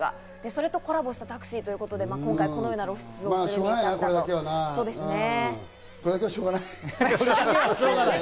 それとコラボしたタクシーということで、今回このしょうがないか、しょうがない。